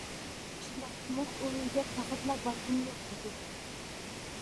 شۇنداقتىمۇ ئۇ ئۆيگە پەقەتلا بارغۇم يوق ئىدى.